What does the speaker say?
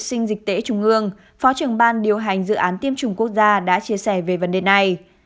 sinh dịch tễ trung ương phó trưởng ban điều hành dự án tiêm chủng quốc gia đã chia sẻ về vấn đề này